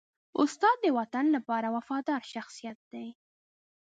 استاد د وطن لپاره وفادار شخصیت دی.